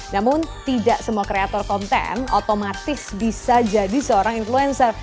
namun tidak semua kreator konten otomatis bisa jadi seorang influencer